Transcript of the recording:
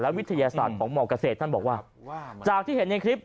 วิทยาศาสตร์ของหมอเกษตรท่านบอกว่าจากที่เห็นในคลิป